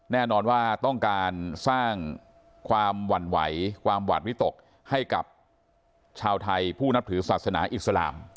แน่นอนว่าต้องการสร้างความหวั่นไหวความหวาดวิตกให้กับชาวไทยผู้นับถือศาสนาอิสลาม